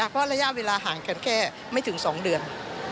เพราะระยะเวลาห่างกันแค่ไม่ถึง๒เดือน